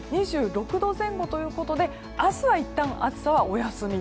２６度前後ということで明日はいったん暑さはお休み。